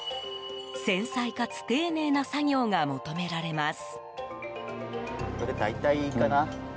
繊細かつ丁寧な作業が求められます。